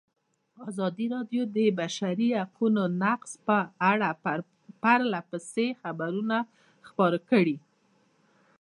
ازادي راډیو د د بشري حقونو نقض په اړه پرله پسې خبرونه خپاره کړي.